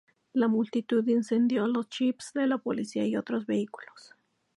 La multitud incendió los jeeps de la policía y otros vehículos.